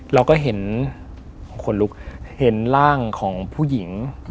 เราก็เห็นคนลุกเห็นร่างของผู้หญิง